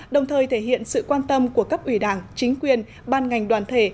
đồng thời thể hiện sự quan tâm của cấp ủy đảng chính quyền ban ngành đoàn thể